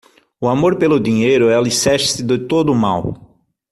O amor pelo dinheiro é o alicerce de todo o mal.